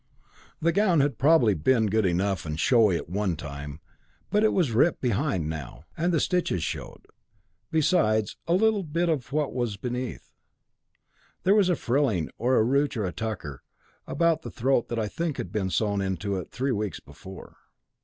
The gown had probably enough been good and showy at one time, but it was ripped behind now, and the stitches showed, besides, a little bit of what was beneath. There was a frilling, or ruche, or tucker, about the throat that I think had been sewn into it three weeks before.